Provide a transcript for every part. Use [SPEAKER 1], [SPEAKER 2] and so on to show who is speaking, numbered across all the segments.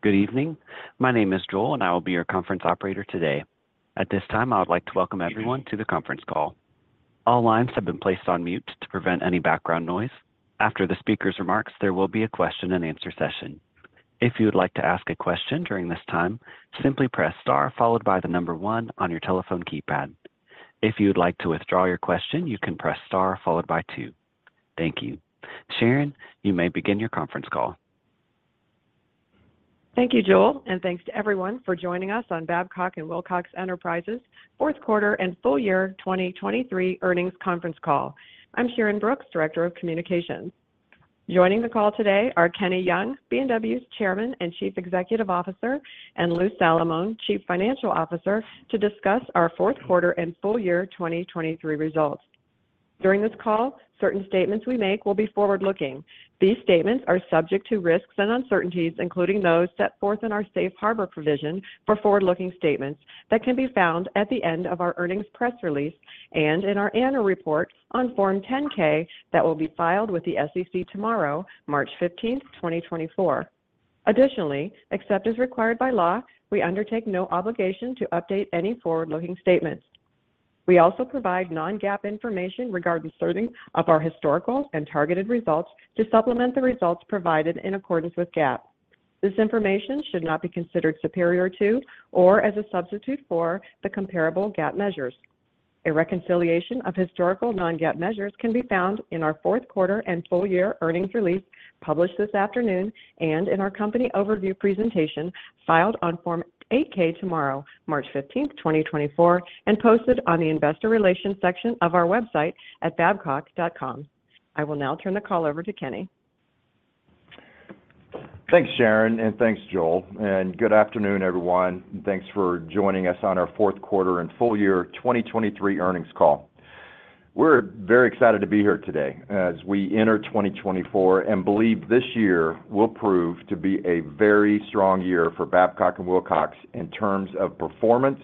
[SPEAKER 1] Good evening. My name is Joel, and I will be your conference operator today. At this time, I would like to welcome everyone to the conference call. All lines have been placed on mute to prevent any background noise. After the speaker's remarks, there will be a question-and-answer session. If you would like to ask a question during this time, simply press * followed by the number one on your telephone keypad. If you would like to withdraw your question, you can press star followed by two. Thank you. Sharyn, you may begin your conference call.
[SPEAKER 2] Thank you, Joel, and thanks to everyone for joining us on Babcock & Wilcox Enterprises' fourth-quarter and full-year 2023 earnings conference call. I'm Sharyn Brooks, Director of Communications. Joining the call today are Kenny Young, B&W's Chairman and Chief Executive Officer, and is Louis Salamone, Chief Financial Officer, to discuss our fourth-quarter and full-year 2023 results. During this call, certain statements we make will be forward-looking. These statements are subject to risks and uncertainties, including those set forth in our Safe Harbor provision for forward-looking statements that can be found at the end of our earnings press release and in our annual report on Form 10-K that will be filed with the SEC tomorrow, March 15, 2024. Additionally, except as required by law, we undertake no obligation to update any forward-looking statements. We also provide non-GAAP information regarding certain of our historical and targeted results to supplement the results provided in accordance with GAAP. This information should not be considered superior to or as a substitute for the comparable GAAP measures. A reconciliation of historical non-GAAP measures can be found in our fourth-quarter and full-year earnings release published this afternoon and in our company overview presentation filed on Form 8-K tomorrow, March 15, 2024, and posted on the Investor Relations section of our website at babcock.com. I will now turn the call over to Kenny.
[SPEAKER 3] Thanks, Sharyn, and thanks, Joel. Good afternoon, everyone, and thanks for joining us on our fourth-quarter and full-year 2023 earnings call. We're very excited to be here today as we enter 2024 and believe this year will prove to be a very strong year for Babcock & Wilcox in terms of performance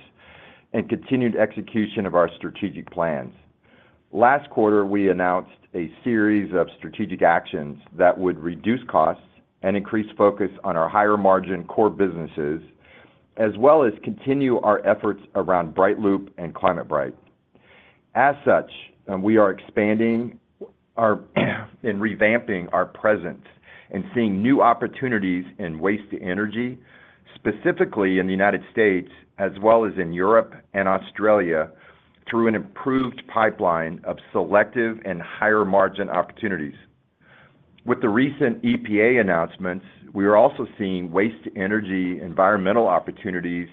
[SPEAKER 3] and continued execution of our strategic plans. Last quarter, we announced a series of strategic actions that would reduce costs and increase focus on our higher-margin core businesses, as well as continue our efforts around BrightLoop and ClimateBright. As such, we are expanding and revamping our presence and seeing new opportunities in waste-to-energy, specifically in the United States as well as in Europe and Australia, through an improved pipeline of selective and higher-margin opportunities. With the recent EPA announcements, we are also seeing waste-to-energy environmental opportunities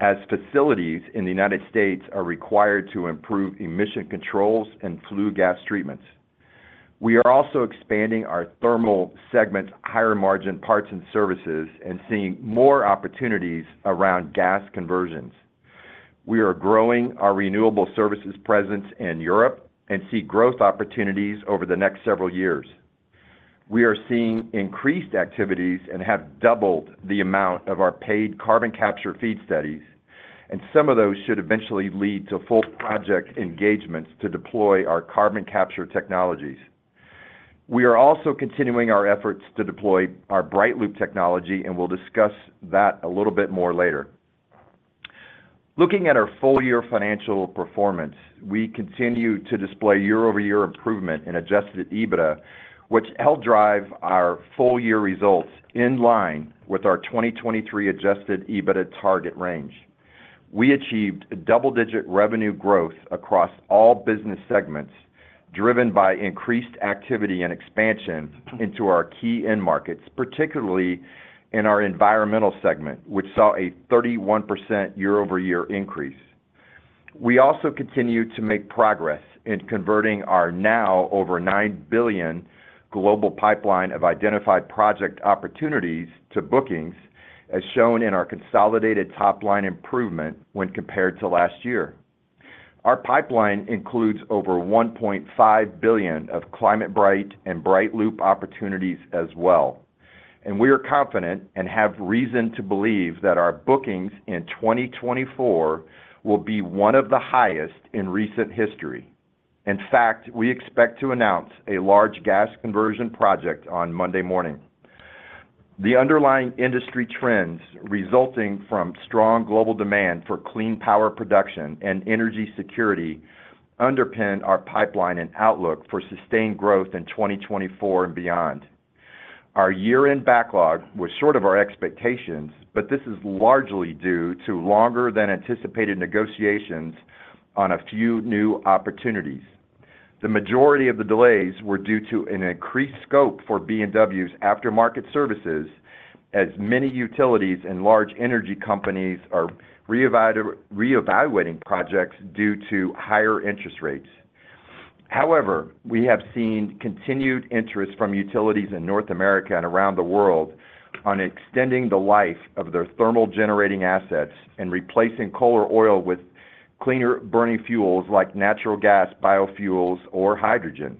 [SPEAKER 3] as facilities in the United States are required to improve emission controls and flue gas treatments. We are also expanding our thermal segment higher-margin parts and services and seeing more opportunities around gas conversions. We are growing our renewable services presence in Europe and see growth opportunities over the next several years. We are seeing increased activities and have doubled the amount of our paid carbon capture FEED studies, and some of those should eventually lead to full project engagements to deploy our carbon capture technologies. We are also continuing our efforts to deploy our BrightLoop technology, and we'll discuss that a little bit more later. Looking at our full-year financial performance, we continue to display year-over-year improvement in Adjusted EBITDA, which helped drive our full-year results in line with our 2023 Adjusted EBITDA target range. We achieved double-digit revenue growth across all business segments, driven by increased activity and expansion into our key end markets, particularly in our environmental segment, which saw a 31% year-over-year increase. We also continue to make progress in converting our now over $9 billion global pipeline of identified project opportunities to bookings, as shown in our consolidated top-line improvement when compared to last year. Our pipeline includes over $1.5 billion of ClimateBright and BrightLoop opportunities as well, and we are confident and have reason to believe that our bookings in 2024 will be one of the highest in recent history. In fact, we expect to announce a large gas conversion project on Monday morning. The underlying industry trends resulting from strong global demand for clean power production and energy security underpin our pipeline and outlook for sustained growth in 2024 and beyond. Our year-end backlog was short of our expectations, but this is largely due to longer-than-anticipated negotiations on a few new opportunities. The majority of the delays were due to an increased scope for B&W's aftermarket services, as many utilities and large energy companies are reevaluating projects due to higher interest rates. However, we have seen continued interest from utilities in North America and around the world on extending the life of their thermal-generating assets and replacing coal or oil with cleaner burning fuels like natural gas, biofuels, or hydrogen.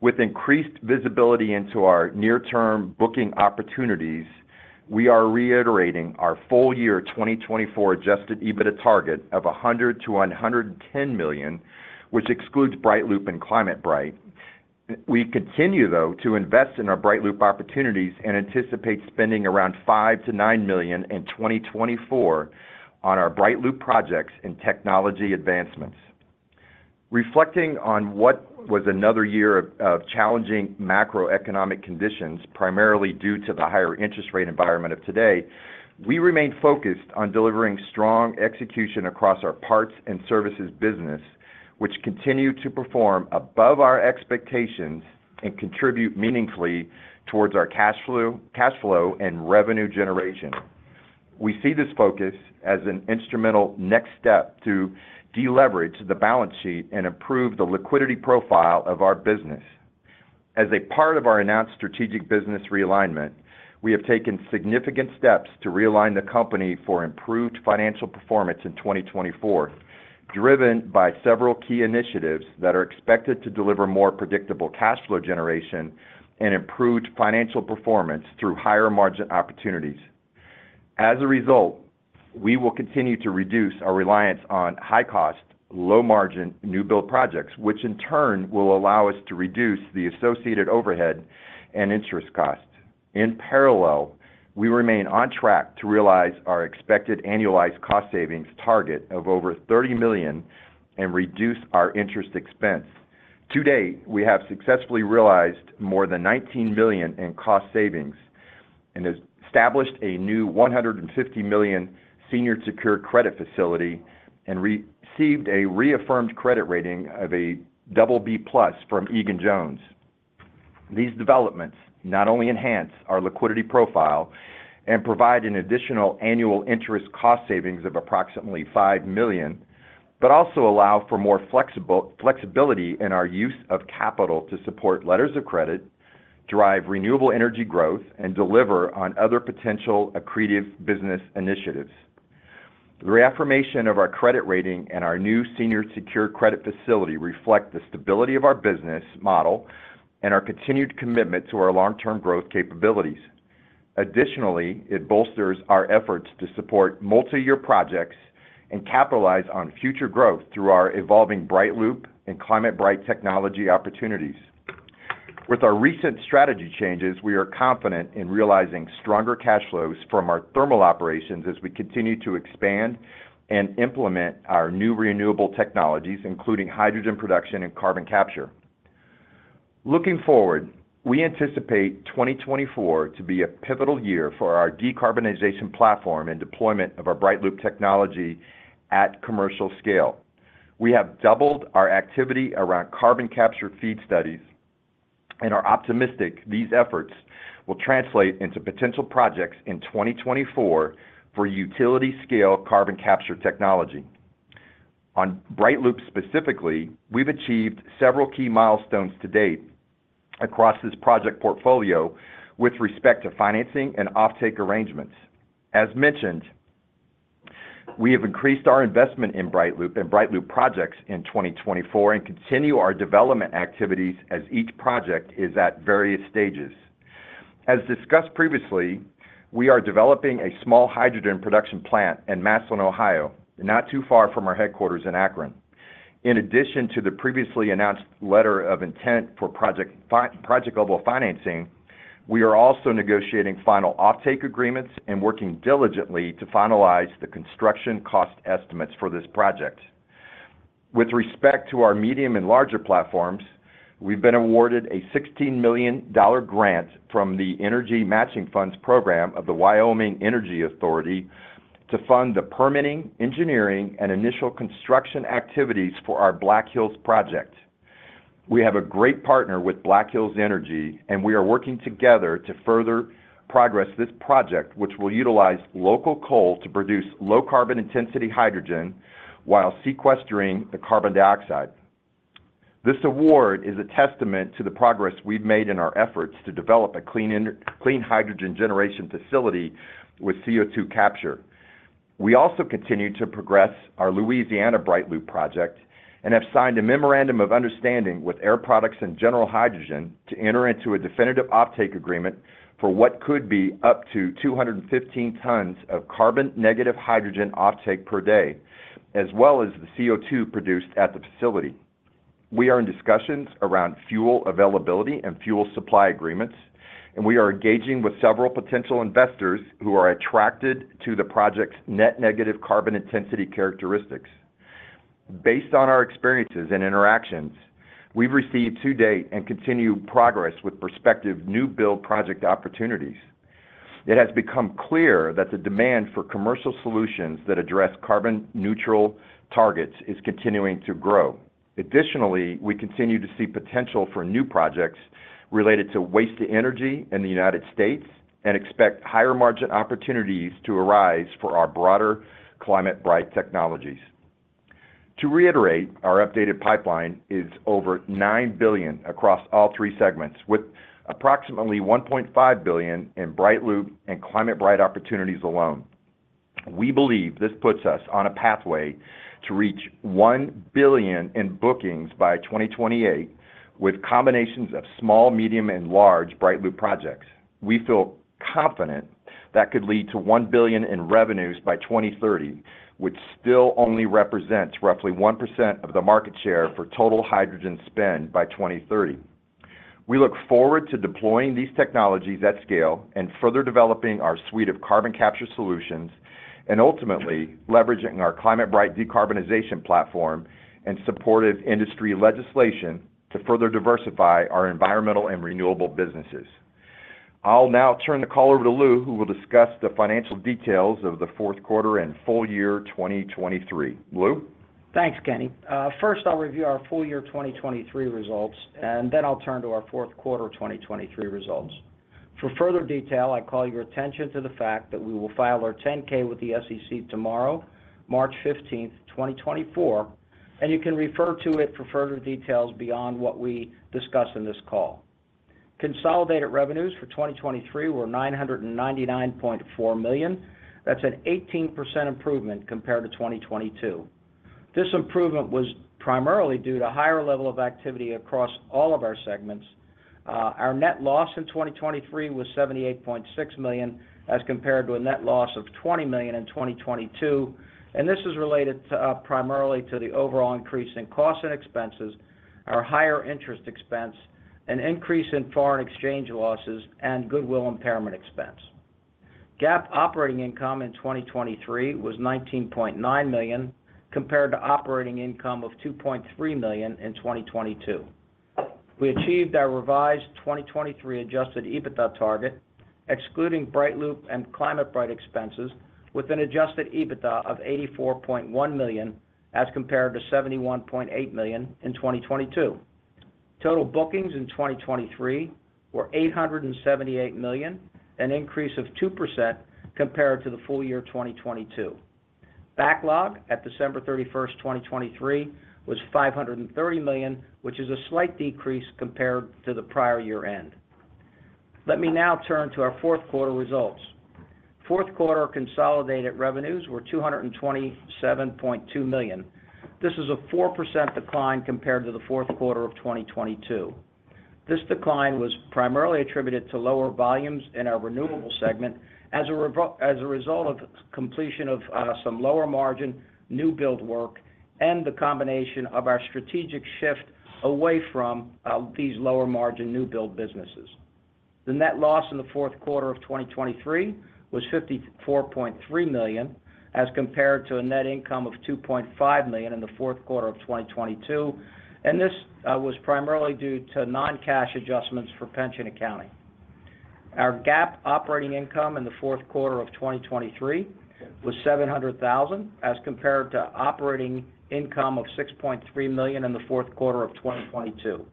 [SPEAKER 3] With increased visibility into our near-term booking opportunities, we are reiterating our full-year 2024 Adjusted EBITDA target of $100-$110 million, which excludes BrightLoop and ClimateBright. We continue, though, to invest in our BrightLoop opportunities and anticipate spending around $5-$9 million in 2024 on our BrightLoop projects and technology advancements. Reflecting on what was another year of challenging macroeconomic conditions, primarily due to the higher interest rate environment of today, we remain focused on delivering strong execution across our parts and services business, which continue to perform above our expectations and contribute meaningfully towards our cash flow and revenue generation. We see this focus as an instrumental next step to deleverage the balance sheet and improve the liquidity profile of our business. As a part of our announced strategic business realignment, we have taken significant steps to realign the company for improved financial performance in 2024, driven by several key initiatives that are expected to deliver more predictable cash flow generation and improved financial performance through higher-margin opportunities. As a result, we will continue to reduce our reliance on high-cost, low-margin new-build projects, which in turn will allow us to reduce the associated overhead and interest costs. In parallel, we remain on track to realize our expected annualized cost savings target of over $30 million and reduce our interest expense. To date, we have successfully realized more than $19 million in cost savings and established a new $150 million senior-secured credit facility and received a reaffirmed credit rating of a BB+ from Egan-Jones. These developments not only enhance our liquidity profile and provide an additional annual interest cost savings of approximately $5 million but also allow for more flexibility in our use of capital to support letters of credit, drive renewable energy growth, and deliver on other potential accretive business initiatives. The reaffirmation of our credit rating and our new senior-secured credit facility reflect the stability of our business model and our continued commitment to our long-term growth capabilities. Additionally, it bolsters our efforts to support multi-year projects and capitalize on future growth through our evolving BrightLoop and ClimateBright technology opportunities. With our recent strategy changes, we are confident in realizing stronger cash flows from our thermal operations as we continue to expand and implement our new renewable technologies, including hydrogen production and carbon capture. Looking forward, we anticipate 2024 to be a pivotal year for our decarbonization platform and deployment of our BrightLoop technology at commercial scale. We have doubled our activity around carbon capture FEED studies, and are optimistic these efforts will translate into potential projects in 2024 for utility-scale carbon capture technology. On BrightLoop specifically, we've achieved several key milestones to date across this project portfolio with respect to financing and offtake arrangements. As mentioned, we have increased our investment in BrightLoop and BrightLoop projects in 2024 and continue our development activities as each project is at various stages. As discussed previously, we are developing a small hydrogen production plant in Massillon, Ohio, not too far from our headquarters in Akron. In addition to the previously announced letter of intent for project-level financing, we are also negotiating final offtake agreements and working diligently to finalize the construction cost estimates for this project. With respect to our medium and larger platforms, we've been awarded a $16 million grant from the Energy Matching Funds Program of the Wyoming Energy Authority to fund the permitting, engineering, and initial construction activities for our Black Hills project. We have a great partner with Black Hills Energy, and we are working together to further progress this project, which will utilize local coal to produce low-carbon-intensity hydrogen while sequestering the carbon dioxide. This award is a testament to the progress we've made in our efforts to develop a clean hydrogen generation facility with CO2 capture. We also continue to progress our Louisiana BrightLoop project and have signed a memorandum of understanding with Air Products and General Hydrogen to enter into a definitive offtake agreement for what could be up to 215 tons of carbon-negative hydrogen offtake per day, as well as the CO2 produced at the facility. We are in discussions around fuel availability and fuel supply agreements, and we are engaging with several potential investors who are attracted to the project's net-negative carbon intensity characteristics. Based on our experiences and interactions, we've received to date and continue progress with prospective new-build project opportunities. It has become clear that the demand for commercial solutions that address carbon-neutral targets is continuing to grow. Additionally, we continue to see potential for new projects related to waste-to-energy in the United States and expect higher-margin opportunities to arise for our broader ClimateBright technologies. To reiterate, our updated pipeline is over $9 billion across all three segments, with approximately $1.5 billion in BrightLoop and ClimateBright opportunities alone. We believe this puts us on a pathway to reach $1 billion in bookings by 2028 with combinations of small, medium, and large BrightLoop projects. We feel confident that could lead to $1 billion in revenues by 2030, which still only represents roughly 1% of the market share for total hydrogen spend by 2030. We look forward to deploying these technologies at scale and further developing our suite of carbon capture solutions, and ultimately leveraging our ClimateBright decarbonization platform and supportive industry legislation to further diversify our environmental and renewable businesses. I'll now turn the call over to Lou, who will discuss the financial details of the fourth quarter and full year 2023. Lou?
[SPEAKER 4] Thanks, Kenny. First, I'll review our full year 2023 results, and then I'll turn to our fourth quarter 2023 results. For further detail, I call your attention to the fact that we will file our 10-K with the SEC tomorrow, March 15, 2024, and you can refer to it for further details beyond what we discuss in this call. Consolidated revenues for 2023 were $999.4 million. That's an 18% improvement compared to 2022. This improvement was primarily due to higher level of activity across all of our segments. Our net loss in 2023 was $78.6 million as compared to a net loss of $20 million in 2022, and this is related primarily to the overall increase in costs and expenses, our higher interest expense, an increase in foreign exchange losses, and goodwill impairment expense. GAAP operating income in 2023 was $19.9 million compared to operating income of $2.3 million in 2022. We achieved our revised 2023 Adjusted EBITDA target, excluding BrightLoop and ClimateBright expenses, with an Adjusted EBITDA of $84.1 million as compared to $71.8 million in 2022. Total bookings in 2023 were $878 million, an increase of 2% compared to the full year 2022. Backlog at December 31st, 2023, was $530 million, which is a slight decrease compared to the prior year-end. Let me now turn to our fourth quarter results. Fourth quarter consolidated revenues were $227.2 million. This is a 4% decline compared to the fourth quarter of 2022. This decline was primarily attributed to lower volumes in our renewable segment as a result of completion of some lower-margin new-build work and the combination of our strategic shift away from these lower-margin new-build businesses. The net loss in the fourth quarter of 2023 was $54.3 million as compared to a net income of $2.5 million in the fourth quarter of 2022, and this was primarily due to non-cash adjustments for pension accounting. Our GAAP operating income in the fourth quarter of 2023 was $700,000 as compared to operating income of $6.3 million in the fourth quarter of 2022.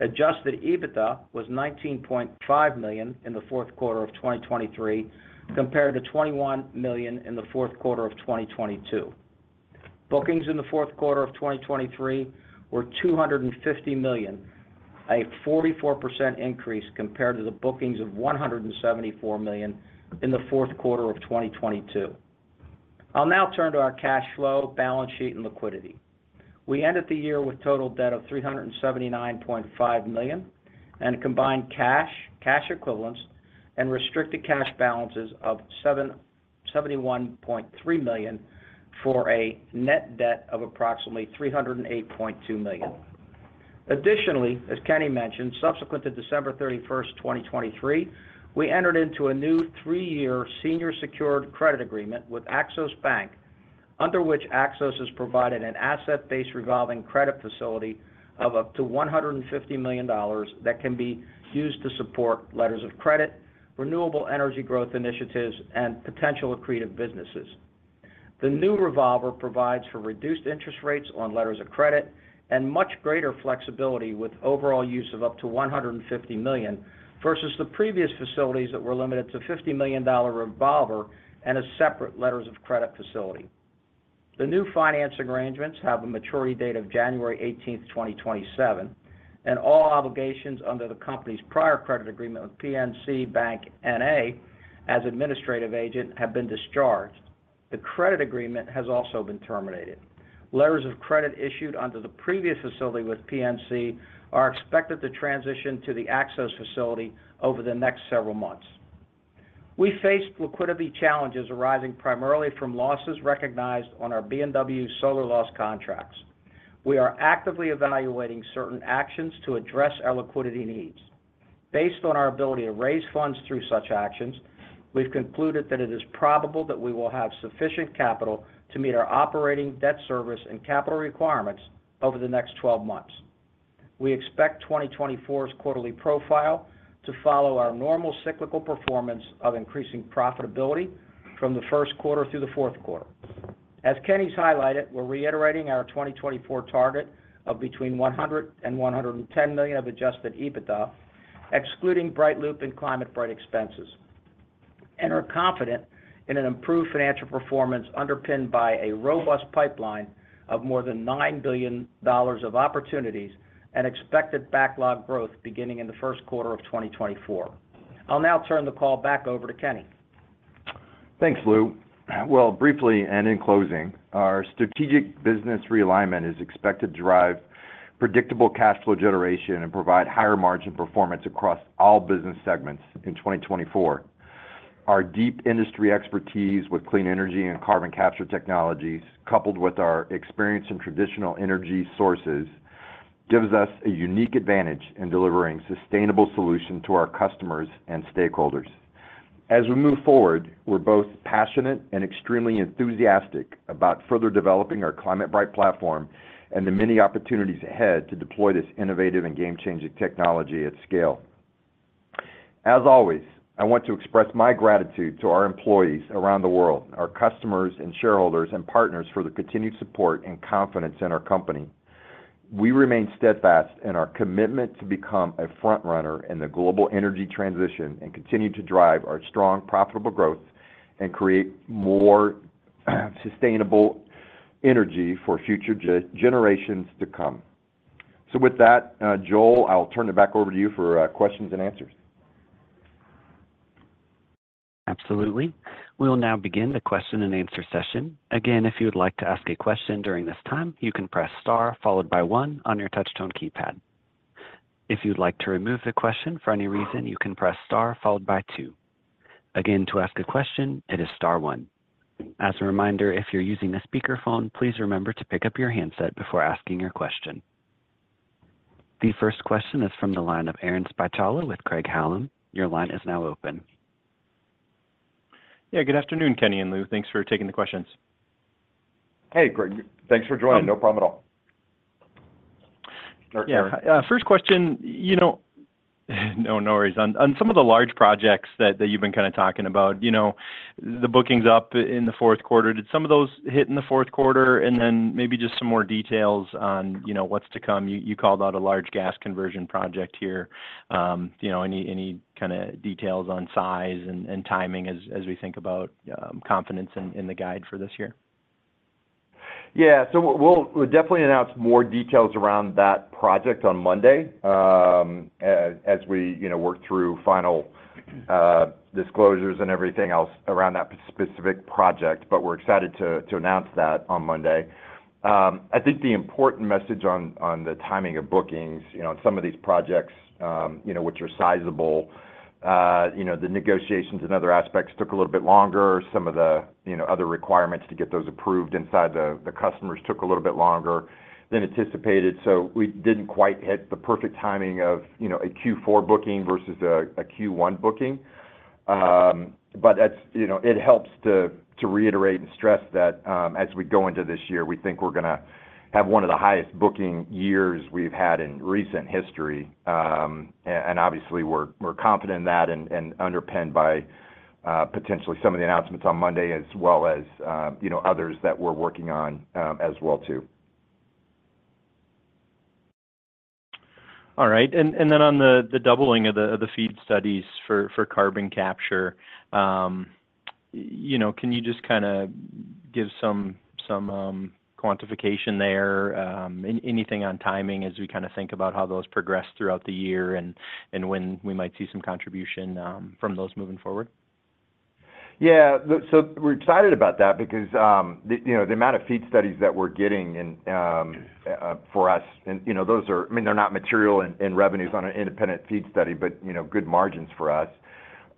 [SPEAKER 4] Adjusted EBITDA was $19.5 million in the fourth quarter of 2023 compared to $21 million in the fourth quarter of 2022. Bookings in the fourth quarter of 2023 were $250 million, a 44% increase compared to the bookings of $174 million in the fourth quarter of 2022. I'll now turn to our cash flow, balance sheet, and liquidity. We ended the year with total debt of $379.5 million and combined cash, cash equivalents, and restricted cash balances of $71.3 million for a net debt of approximately $308.2 million. Additionally, as Kenny mentioned, subsequent to December 31st, 2023, we entered into a new three-year senior-secured credit agreement with Axos Bank, under which Axos has provided an asset-based revolving credit facility of up to $150 million that can be used to support letters of credit, renewable energy growth initiatives, and potential accretive businesses. The new revolver provides for reduced interest rates on letters of credit and much greater flexibility with overall use of up to $150 million versus the previous facilities that were limited to a $50 million revolver and a separate letters of credit facility. The new finance arrangements have a maturity date of January 18, 2027, and all obligations under the company's prior credit agreement with PNC Bank, N.A. as administrative agent have been discharged. The credit agreement has also been terminated. Letters of credit issued under the previous facility with PNC are expected to transition to the Axos facility over the next several months. We face liquidity challenges arising primarily from losses recognized on our B&W Solar loss contracts. We are actively evaluating certain actions to address our liquidity needs. Based on our ability to raise funds through such actions, we've concluded that it is probable that we will have sufficient capital to meet our operating debt service and capital requirements over the next 12 months. We expect 2024's quarterly profile to follow our normal cyclical performance of increasing profitability from the first quarter through the fourth quarter. As Kenny's highlighted, we're reiterating our 2024 target of between $100 million and $110 million of Adjusted EBITDA, excluding BrightLoop and ClimateBright expenses. We're confident in an improved financial performance underpinned by a robust pipeline of more than $9 billion of opportunities and expected backlog growth beginning in the first quarter of 2024. I'll now turn the call back over to Kenny. Thanks, Lou.
[SPEAKER 3] Well, briefly and in closing, our strategic business realignment is expected to drive predictable cash flow generation and provide higher-margin performance across all business segments in 2024. Our deep industry expertise with clean energy and carbon capture technologies, coupled with our experience in traditional energy sources, gives us a unique advantage in delivering sustainable solutions to our customers and stakeholders. As we move forward, we're both passionate and extremely enthusiastic about further developing our ClimateBright platform and the many opportunities ahead to deploy this innovative and game-changing technology at scale. As always, I want to express my gratitude to our employees around the world, our customers and shareholders and partners for the continued support and confidence in our company. We remain steadfast in our commitment to become a frontrunner in the global energy transition and continue to drive our strong, profitable growth and create more sustainable energy for future generations to come. So with that, Joel, I'll turn it back over to you for questions and answers.
[SPEAKER 1] Absolutely. We will now begin the question-and-answer session. Again, if you would like to ask a question during this time, you can press star followed by one on your touch-tone keypad. If you would like to remove the question for any reason, you can press star followed by two. Again, to ask a question, it is star one. As a reminder, if you're using a speakerphone, please remember to pick up your handset before asking your question. The first question is from the line of Aaron Spychalla with Craig-Hallum. Your line is now open.
[SPEAKER 5] Yeah. Good afternoon, Kenny and Lou. Thanks for taking the questions.
[SPEAKER 3] Hey, Craig. Thanks for joining. No problem at all.
[SPEAKER 5] Yeah. First question, no worries. On some of the large projects that you've been kind of talking about, the bookings up in the fourth quarter, did some of those hit in the fourth quarter? And then maybe just some more details on what's to come. You called out a large gas conversion project here. Any kind of details on size and timing as we think about confidence in the guide for this year?
[SPEAKER 3] Yeah. So we'll definitely announce more details around that project on Monday as we work through final disclosures and everything else around that specific project. But we're excited to announce that on Monday. I think the important message on the timing of bookings on some of these projects, which are sizable, the negotiations and other aspects took a little bit longer. Some of the other requirements to get those approved inside the customers took a little bit longer than anticipated. So we didn't quite hit the perfect timing of a Q4 booking versus a Q1 booking. But it helps to reiterate and stress that as we go into this year, we think we're going to have one of the highest booking years we've had in recent history. And obviously, we're confident in that and underpinned by potentially some of the announcements on Monday as well as others that we're working on as well too.
[SPEAKER 5] All right. And then on the doubling of the FEED studies for carbon capture, can you just kind of give some quantification there, anything on timing as we kind of think about how those progress throughout the year and when we might see some contribution from those moving forward?
[SPEAKER 3] Yeah. So we're excited about that because the amount of FEED studies that we're getting for us, those are I mean, they're not material in revenues on an independent FEED study, but good margins for us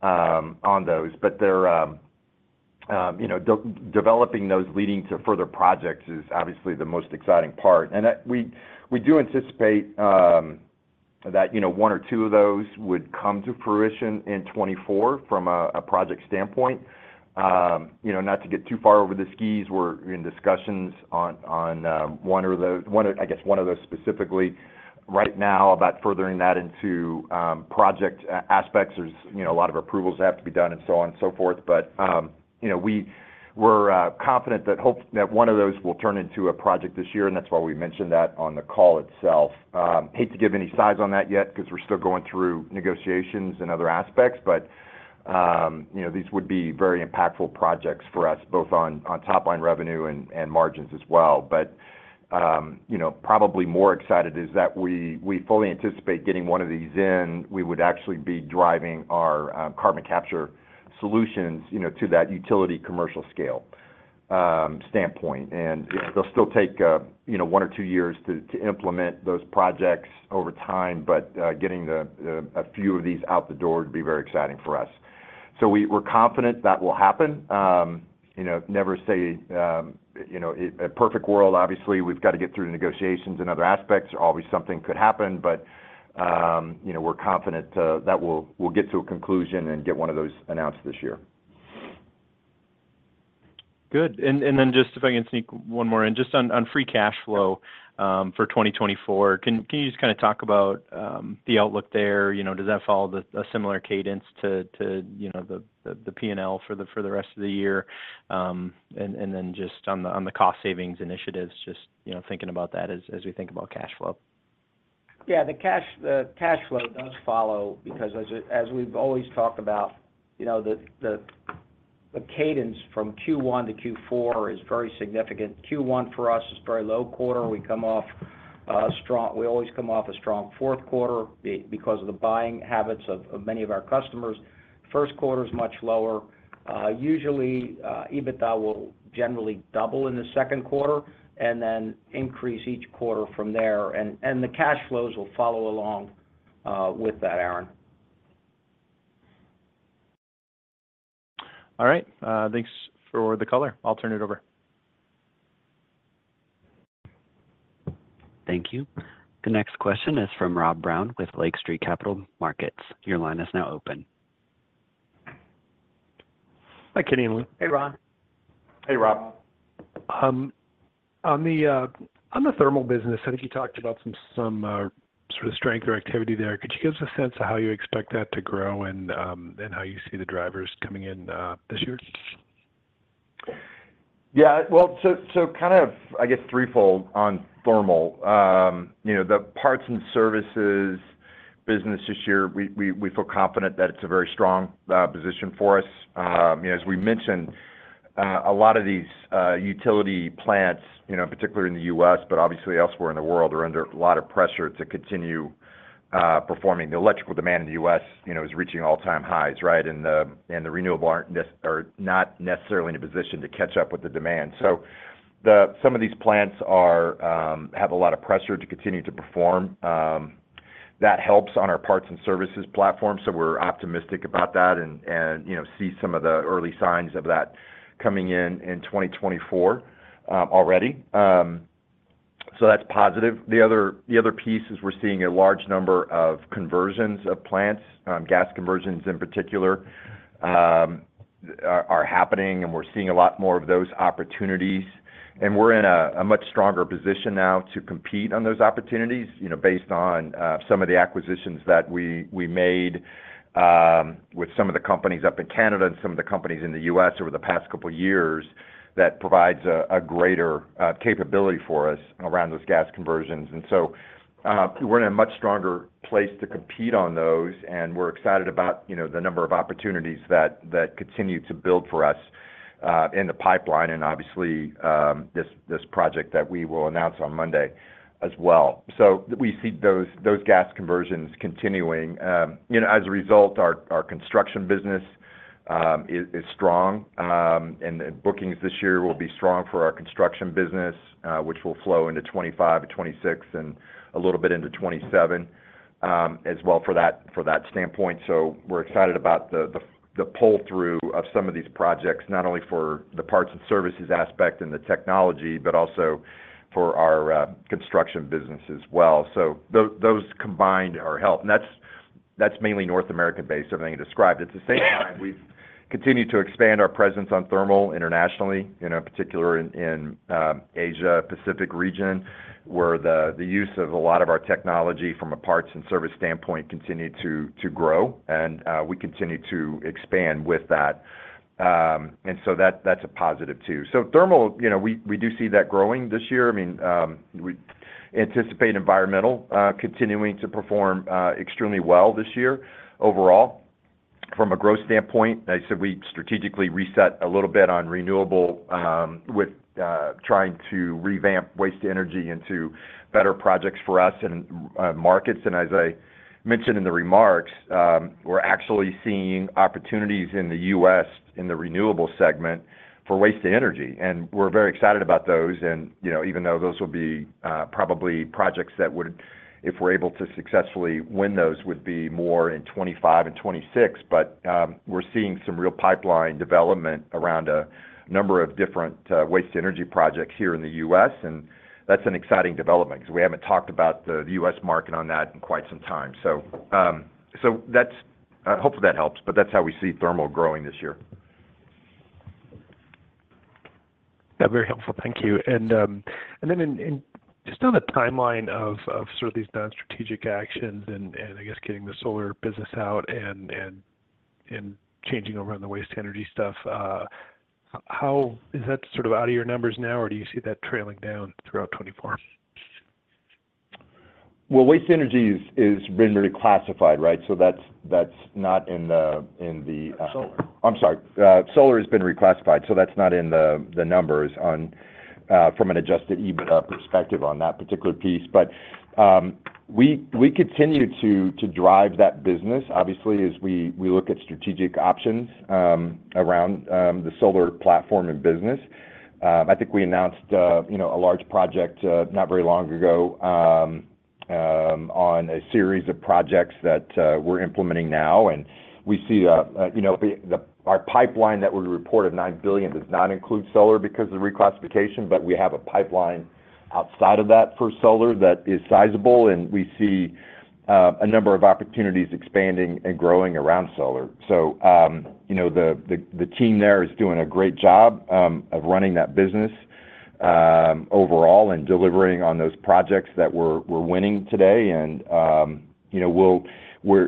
[SPEAKER 3] on those. But developing those leading to further projects is obviously the most exciting part. And we do anticipate that one or two of those would come to fruition in 2024 from a project standpoint. Not to get too far over the skis, we're in discussions on one or the I guess one of those specifically. Right now, about furthering that into project aspects, there's a lot of approvals that have to be done and so on and so forth. But we're confident that one of those will turn into a project this year, and that's why we mentioned that on the call itself. Hate to give any size on that yet because we're still going through negotiations and other aspects, but these would be very impactful projects for us, both on top-line revenue and margins as well. But probably more excited is that we fully anticipate getting one of these in. We would actually be driving our carbon capture solutions to that utility commercial scale standpoint. And it'll still take one or two years to implement those projects over time, but getting a few of these out the door would be very exciting for us. So we're confident that will happen. Never say a perfect world. Obviously, we've got to get through the negotiations and other aspects. Always something could happen, but we're confident that we'll get to a conclusion and get one of those announced this year.
[SPEAKER 5] Good. And then just if I can sneak one more in, just on free cash flow for 2024, can you just kind of talk about the outlook there? Does that follow a similar cadence to the P&L for the rest of the year? And then just on the cost savings initiatives, just thinking about that as we think about cash flow.
[SPEAKER 4] Yeah. The cash flow does follow because, as we've always talked about, the cadence from Q1 to Q4 is very significant. Q1 for us is very low quarter. We come off strong. We always come off a strong fourth quarter because of the buying habits of many of our customers. First quarter is much lower. Usually, EBITDA will generally double in the second quarter and then increase each quarter from there. And the cash flows will follow along with that, Aaron.
[SPEAKER 5] All right. Thanks for the color. I'll turn it over.
[SPEAKER 1] Thank you. The next question is from Rob Brown with Lake Street Capital Markets. Your line is now open.
[SPEAKER 6] Hi, Kenny and Lou.
[SPEAKER 4] Hey, Rob.
[SPEAKER 3] Hey, Rob.
[SPEAKER 6] On the thermal business, I think you talked about some sort of strength or activity there. Could you give us a sense of how you expect that to grow and how you see the drivers coming in this year?
[SPEAKER 3] Yeah. Well, so kind of, I guess, threefold on thermal. The parts and services business this year, we feel confident that it's a very strong position for us. As we mentioned, a lot of these utility plants, particularly in the U.S., but obviously elsewhere in the world, are under a lot of pressure to continue performing. The electrical demand in the U.S. is reaching all-time highs, right? And the renewables aren't necessarily in a position to catch up with the demand. Some of these plants have a lot of pressure to continue to perform. That helps on our parts and services platform. We're optimistic about that and see some of the early signs of that coming in 2024 already. That's positive. The other piece is we're seeing a large number of conversions of plants, gas conversions in particular, are happening, and we're seeing a lot more of those opportunities. We're in a much stronger position now to compete on those opportunities based on some of the acquisitions that we made with some of the companies up in Canada and some of the companies in the U.S. over the past couple of years that provides a greater capability for us around those gas conversions. And so we're in a much stronger place to compete on those, and we're excited about the number of opportunities that continue to build for us in the pipeline and obviously this project that we will announce on Monday as well. So we see those gas conversions continuing. As a result, our construction business is strong, and bookings this year will be strong for our construction business, which will flow into 2025, 2026, and a little bit into 2027 as well for that standpoint. So we're excited about the pull-through of some of these projects, not only for the parts and services aspect and the technology, but also for our construction business as well. So those combined are helping. That's mainly North American-based, everything you described. At the same time, we've continued to expand our presence on thermal internationally, in particular in Asia-Pacific region, where the use of a lot of our technology from a parts and service standpoint continued to grow, and we continue to expand with that. And so that's a positive too. So thermal, we do see that growing this year. I mean, we anticipate environmental continuing to perform extremely well this year overall from a growth standpoint. As I said, we strategically reset a little bit on renewable with trying to revamp waste-to-energy into better projects for us and markets. And as I mentioned in the remarks, we're actually seeing opportunities in the U.S. in the renewable segment for waste-to-energy. And we're very excited about those, even though those will be probably projects that would, if we're able to successfully win those, would be more in 2025 and 2026. But we're seeing some real pipeline development around a number of different waste energy projects here in the U.S. And that's an exciting development because we haven't talked about the U.S. market on that in quite some time. So hopefully, that helps, but that's how we see thermal growing this year.
[SPEAKER 6] Yeah. Very helpful. Thank you. And then just on the timeline of sort of these non-strategic actions and, I guess, getting the solar business out and changing over on the waste energy stuff, is that sort of out of your numbers now, or do you see that trailing down throughout 2024?
[SPEAKER 3] Well, waste energy has been reclassified, right? So that's not in the Solar? I'm sorry. Solar has been reclassified, so that's not in the numbers from an Adjusted EBITDA perspective on that particular piece. But we continue to drive that business, obviously, as we look at strategic options around the solar platform and business. I think we announced a large project not very long ago on a series of projects that we're implementing now. And we see our pipeline that we report of $9 billion does not include solar because of the reclassification, but we have a pipeline outside of that for solar that is sizable, and we see a number of opportunities expanding and growing around solar. So the team there is doing a great job of running that business overall and delivering on those projects that we're winning today.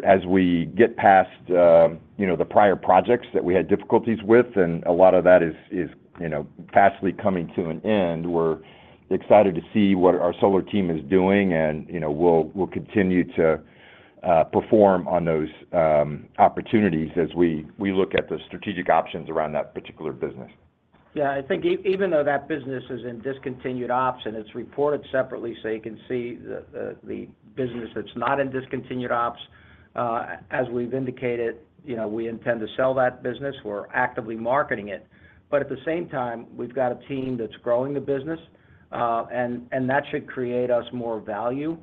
[SPEAKER 3] As we get past the prior projects that we had difficulties with and a lot of that is fastly coming to an end, we're excited to see what our solar team is doing, and we'll continue to perform on those opportunities as we look at the strategic options around that particular business.
[SPEAKER 4] Yeah. I think even though that business is in discontinued ops and it's reported separately, so you can see the business that's not in discontinued ops, as we've indicated, we intend to sell that business. We're actively marketing it. But at the same time, we've got a team that's growing the business, and that should create us more value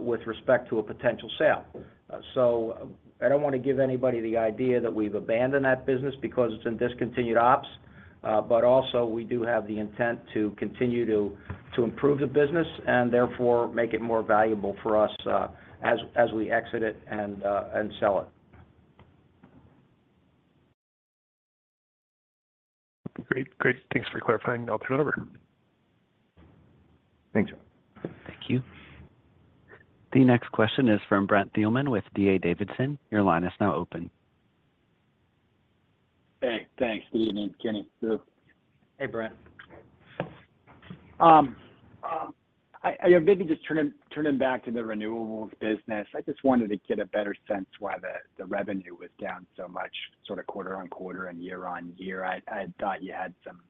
[SPEAKER 4] with respect to a potential sale. So I don't want to give anybody the idea that we've abandoned that business because it's in discontinued ops, but also we do have the intent to continue to improve the business and, therefore, make it more valuable for us as we exit it and sell it.
[SPEAKER 6] Great. Great. Thanks for clarifying. I'll turn it over.
[SPEAKER 3] Thanks, Rob.
[SPEAKER 1] Thank you. The next question is from Brent Thielman with D.A. Davidson. Your line is now open.
[SPEAKER 7] Hey. Thanks. Good evening, Kenny. Lou.
[SPEAKER 4] Hey, Brent.
[SPEAKER 7] Maybe just turning back to the renewables business, I just wanted to get a better sense why the revenue was down so much sort of quarter-on-quarter and year-on-year. I thought you had some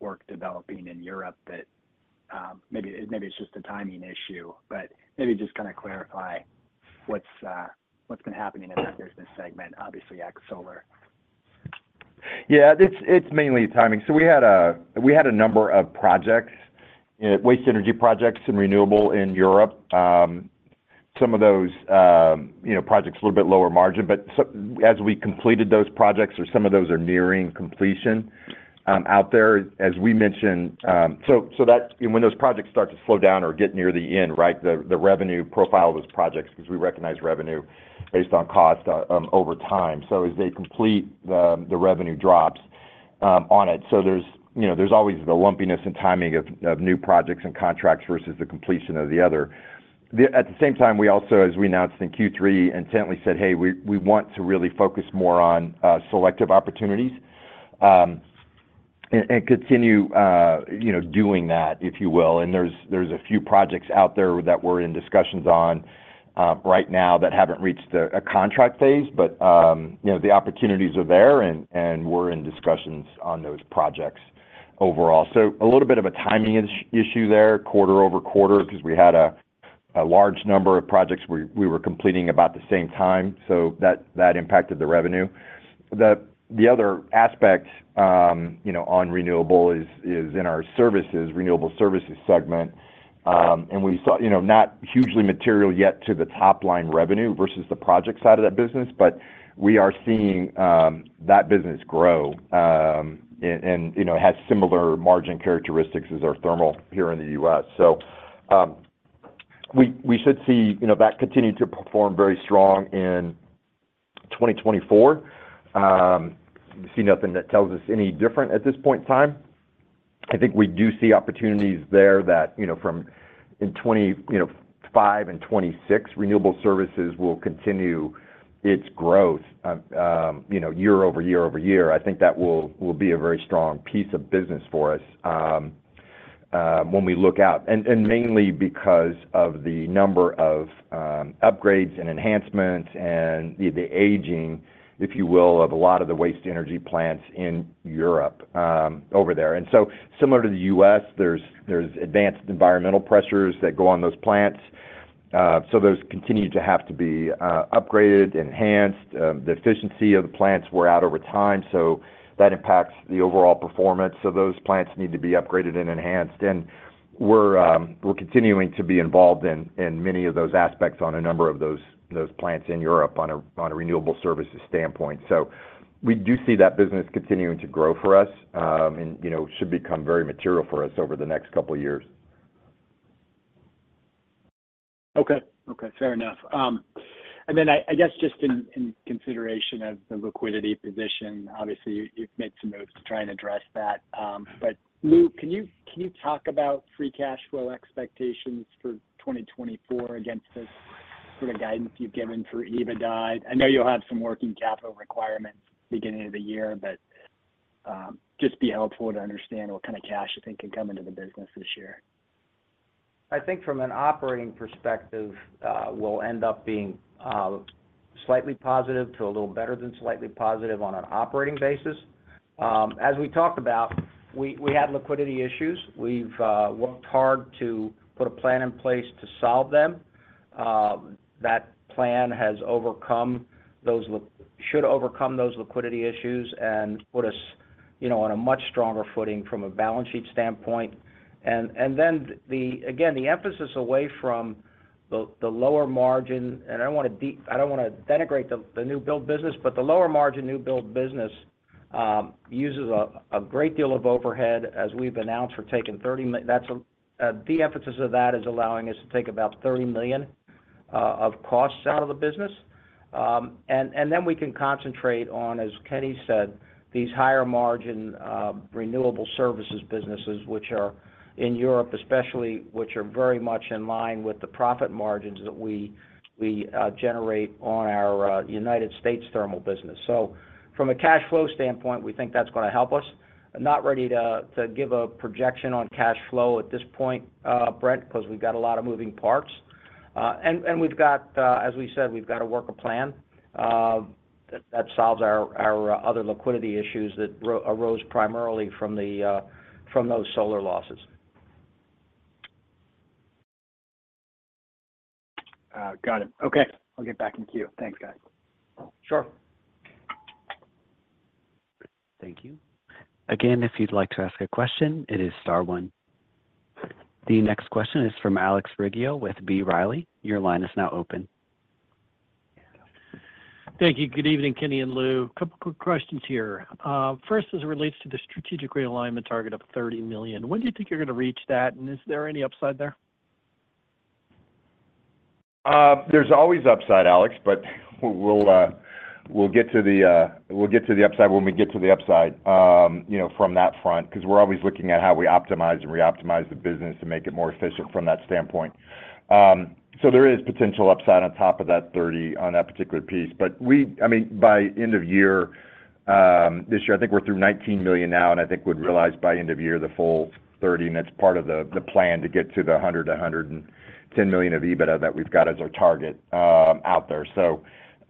[SPEAKER 7] work developing in Europe. Maybe it's just a timing issue, but maybe just kind of clarify what's been happening in that business segment, obviously, ex-solar.
[SPEAKER 3] Yeah. It's mainly timing. So we had a number of projects, waste-to-energy projects and renewables in Europe, some of those projects a little bit lower-margin. But as we completed those projects, or some of those are nearing completion out there, as we mentioned, so when those projects start to slow down or get near the end, right, the revenue profile of those projects because we recognize revenue based on cost over time. So as they complete, the revenue drops on it. So there's always the lumpiness and timing of new projects and contracts versus the completion of the other. At the same time, we also, as we announced in Q3, intently said, "Hey, we want to really focus more on selective opportunities and continue doing that, if you will." And there's a few projects out there that we're in discussions on right now that haven't reached a contract phase, but the opportunities are there, and we're in discussions on those projects overall. So a little bit of a timing issue there, quarter-over-quarter, because we had a large number of projects we were completing about the same time, so that impacted the revenue. The other aspect on renewable is in our services, renewable services segment. And we saw not hugely material yet to the top-line revenue versus the project side of that business, but we are seeing that business grow and has similar margin characteristics as our thermal here in the U.S. So we should see that continue to perform very strong in 2024. We see nothing that tells us any different at this point in time. I think we do see opportunities there that in 2025 and 2026, renewable services will continue its growth year-over-year-over-year. I think that will be a very strong piece of business for us when we look out, and mainly because of the number of upgrades and enhancements and the aging, if you will, of a lot of the waste energy plants in Europe over there. And so similar to the U.S., there's advanced environmental pressures that go on those plants. So those continue to have to be upgraded, enhanced. The efficiency of the plants we're at over time, so that impacts the overall performance. So those plants need to be upgraded and enhanced. And we're continuing to be involved in many of those aspects on a number of those plants in Europe on a renewable services standpoint. So we do see that business continuing to grow for us and should become very material for us over the next couple of years.
[SPEAKER 7] Okay. Okay. Fair enough. And then I guess just in consideration of the liquidity position, obviously, you've made some moves to try and address that. But Lou, can you talk about free cash flow expectations for 2024 against this sort of guidance you've given for EBITDA? I know you'll have some working capital requirements beginning of the year, but just be helpful to understand what kind of cash you think can come into the business this year.
[SPEAKER 4] I think from an operating perspective, we'll end up being slightly positive to a little better than slightly positive on an operating basis. As we talked about, we had liquidity issues. We've worked hard to put a plan in place to solve them. That plan should overcome those liquidity issues and put us on a much stronger footing from a balance sheet standpoint. And then again, the emphasis away from the lower margin and I don't want to I don't want to denigrate the new build business, but the lower margin new build business uses a great deal of overhead as we've announced for taking $30 million. The emphasis of that is allowing us to take about $30 million of costs out of the business. And then we can concentrate on, as Kenny said, these higher-margin renewable services businesses, which are in Europe especially, which are very much in line with the profit margins that we generate on our United States thermal business. From a cash flow standpoint, we think that's going to help us. Not ready to give a projection on cash flow at this point, Brent, because we've got a lot of moving parts. And as we said, we've got to work a plan that solves our other liquidity issues that arose primarily from those solar losses.
[SPEAKER 7] Got it. Okay. I'll get back in queue. Thanks, guys. Sure.
[SPEAKER 1] Thank you. Again, if you'd like to ask a question, it is star one. The next question is from Alex Rygiel with B. Riley. Your line is now open.
[SPEAKER 8] Thank you. Good evening, Kenny and Lou. A couple of quick questions here. First, as it relates to the strategic realignment target of $30 million, when do you think you're going to reach that, and is there any upside there?
[SPEAKER 3] There's always upside, Alex, but we'll get to the upside when we get to the upside from that front because we're always looking at how we optimize and reoptimize the business to make it more efficient from that standpoint. So there is potential upside on top of that $30 million on that particular piece. But I mean, by end of year this year, I think we're through $19 million now, and I think we'd realize by end of year the full $30 million, and that's part of the plan to get to the $100 million-$110 million of EBITDA that we've got as our target out there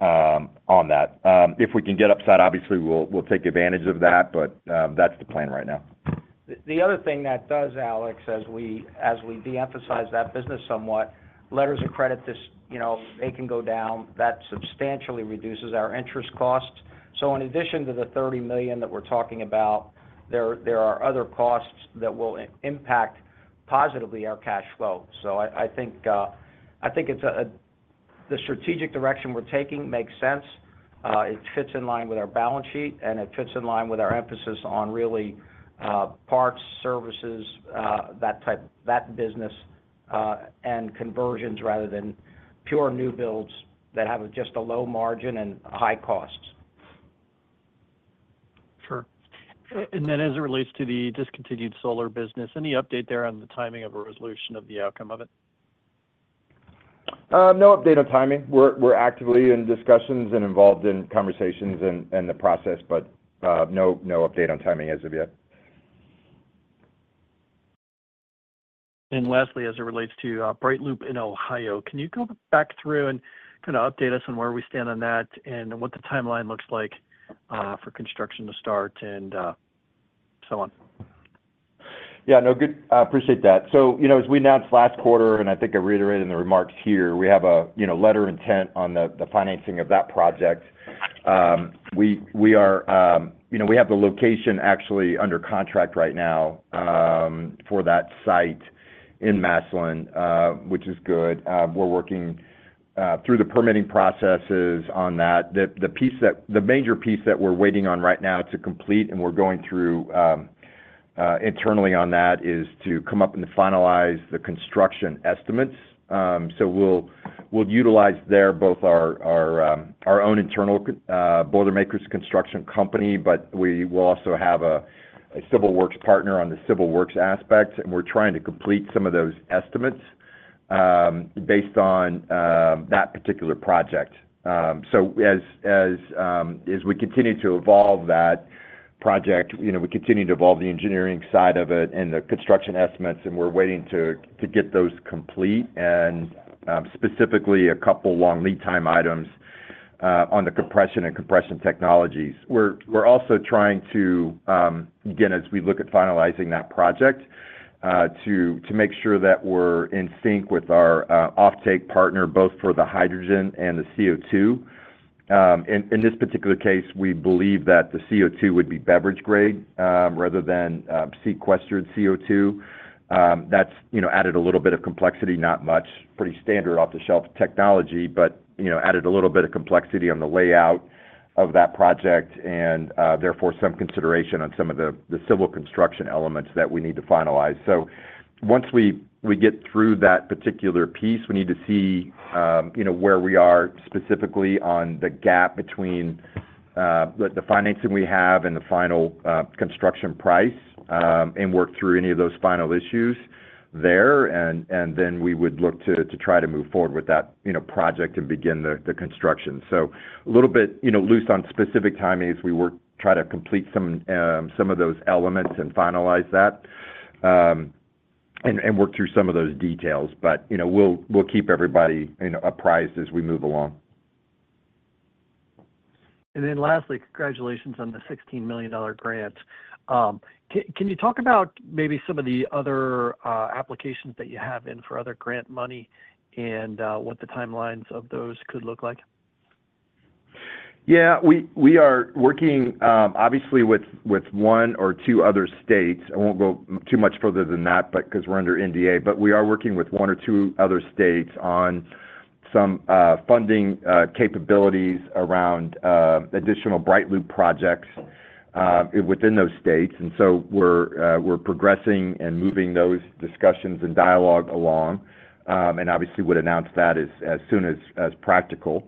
[SPEAKER 3] on that. If we can get upside, obviously, we'll take advantage of that, but that's the plan right now.
[SPEAKER 4] The other thing that does, Alex, as we de-emphasize that business somewhat, letters of credit, they can go down. That substantially reduces our interest costs. So in addition to the $30 million that we're talking about, there are other costs that will impact positively our cash flow. So I think the strategic direction we're taking makes sense. It fits in line with our balance sheet, and it fits in line with our emphasis on really parts, services, that business, and conversions rather than pure new builds that have just a low margin and high costs.
[SPEAKER 8] Sure. And then as it relates to the discontinued solar business, any update there on the timing of a resolution of the outcome of it?
[SPEAKER 3] No update on timing. We're actively in discussions and involved in conversations and the process, but no update on timing as of yet.
[SPEAKER 8] Lastly, as it relates to BrightLoop in Ohio, can you go back through and kind of update us on where we stand on that and what the timeline looks like for construction to start and so on? ]
[SPEAKER 3] Yeah. No. I appreciate that. As we announced last quarter, and I think I reiterated in the remarks here, we have a letter of intent on the financing of that project. We have the location actually under contract right now for that site in Massillon, which is good. We're working through the permitting processes on that. The major piece that we're waiting on right now to complete and we're going through internally on that is to come up and finalize the construction estimates. So we'll utilize their both our own internal Babcock & Wilcox Construction Company, but we will also have a civil works partner on the civil works aspect, and we're trying to complete some of those estimates based on that particular project. So as we continue to evolve that project, we continue to evolve the engineering side of it and the construction estimates, and we're waiting to get those complete and specifically a couple long lead time items on the compression and compression technologies. We're also trying to, again, as we look at finalizing that project, to make sure that we're in sync with our offtake partner both for the hydrogen and the CO2. In this particular case, we believe that the CO2 would be beverage grade rather than sequestered CO2. That's added a little bit of complexity, not much, pretty standard off-the-shelf technology, but added a little bit of complexity on the layout of that project and, therefore, some consideration on some of the civil construction elements that we need to finalize. So once we get through that particular piece, we need to see where we are specifically on the gap between the financing we have and the final construction price and work through any of those final issues there, and then we would look to try to move forward with that project and begin the construction. So a little bit loose on specific timing as we try to complete some of those elements and finalize that and work through some of those details, but we'll keep everybody apprised as we move along.
[SPEAKER 8] And then lastly, congratulations on the $16 million grant. Can you talk about maybe some of the other applications that you have in for other grant money and what the timelines of those could look like?
[SPEAKER 3] Yeah. We are working, obviously, with one or two other states. I won't go too much further than that because we're under NDA, but we are working with one or two other states on some funding capabilities around additional BrightLoop projects within those states. And so we're progressing and moving those discussions and dialogue along and obviously would announce that as soon as practical.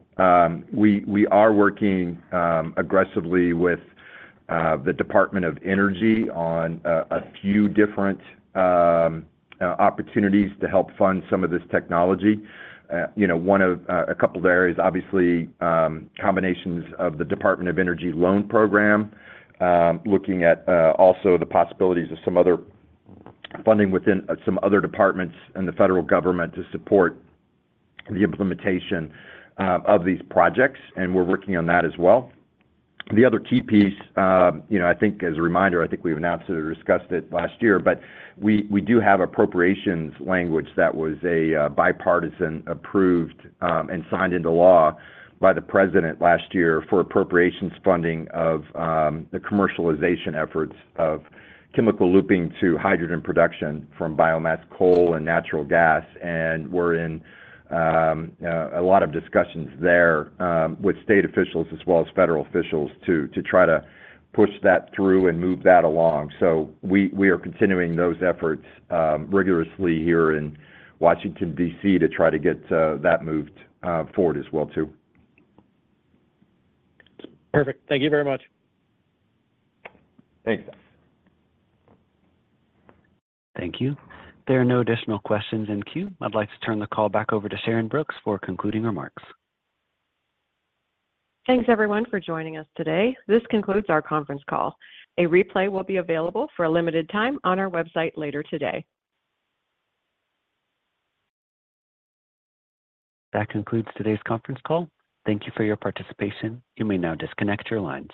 [SPEAKER 3] We are working aggressively with the Department of Energy on a few different opportunities to help fund some of this technology. One of a couple of areas, obviously, combinations of the Department of Energy loan program, looking at also the possibilities of some other funding within some other departments in the federal government to support the implementation of these projects, and we're working on that as well. The other key piece, I think as a reminder, I think we've announced it or discussed it last year, but we do have appropriations language that was a bipartisan approved and signed into law by the president last year for appropriations funding of the commercialization efforts of chemical looping to hydrogen production from biomass, coal, and natural gas. And we're in a lot of discussions there with state officials as well as federal officials to try to push that through and move that along. So we are continuing those efforts rigorously here in Washington, D.C., to try to get that moved forward as well too.
[SPEAKER 8] Perfect. Thank you very much.
[SPEAKER 3] Thanks.
[SPEAKER 1] Thank you. There are no additional questions in queue. I'd like to turn the call back over to Sharyn Brooks for concluding remarks.
[SPEAKER 2] Thanks, everyone, for joining us today. This concludes our conference call. A replay will be available for a limited time on our website later today.
[SPEAKER 1] That concludes today's conference call. Thank you for your participation. You may now disconnect your lines.